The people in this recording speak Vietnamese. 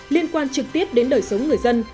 liên quan trực tiếp đến đời sống người dân